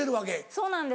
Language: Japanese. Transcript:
そうなんです。